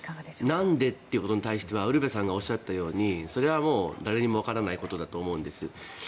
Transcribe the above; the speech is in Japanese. なんでということに対してはウルヴェさんがおっしゃったようにそれはもう誰にもわからないことだと思うんです。